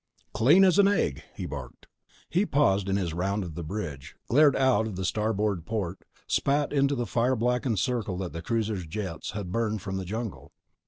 "Clean as an egg!" he barked. He paused in his round of the bridge, glared out the starboard port, spat into the fire blackened circle that the cruiser's jets had burned from the jungle.